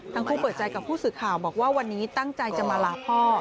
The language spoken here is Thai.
ทั้งคู่เปิดใจกับผู้สื่อข่าวบอกว่าวันนี้ตั้งใจจะมาลาพ่อ